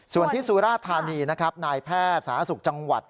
ส่วนที่สุราธานีนะครับนายแพทย์สาธารณสุขจังหวัด